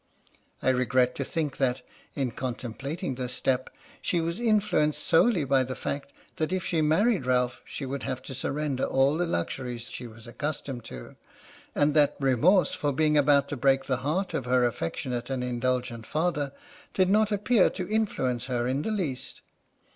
I regret to think that, in contemplating this step, she was influenced solely by the fact that if she married Ralph she would have to surrender all the luxuries she was accustomed to, and that remorse for being about to break the heart of her affectionate and indulgent father did not appear to influence her in the least.